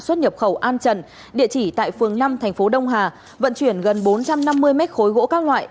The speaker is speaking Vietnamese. xuất nhập khẩu an trần địa chỉ tại phường năm thành phố đông hà vận chuyển gần bốn trăm năm mươi mét khối gỗ các loại